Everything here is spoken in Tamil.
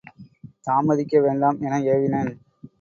தாமதிக்க வேண்டாம் என ஏவினன்.